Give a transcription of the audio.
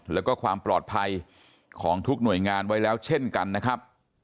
แล้วก็ความปลอดภัยของทุกหน่วยงานไว้แล้วเช่นกันนะครับ